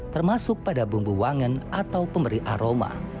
termasuk pada bumbu wangen atau pemberi aroma